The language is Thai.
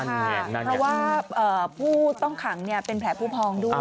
เพราะว่าผู้ต้องขังเป็นแผลผู้พองด้วย